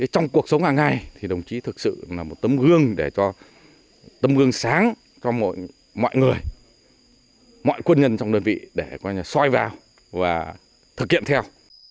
trong cuộc sống hàng ngày đồng chí thực sự là một tấm gương sáng cho mọi người mọi quân nhân trong đơn vị để xoay vào và thực hiện theo